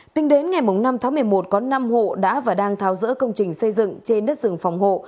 tính đến ngày năm tháng một mươi một có năm hộ đã và đang tháo rỡ công trình xây dựng trên đất rừng phòng hộ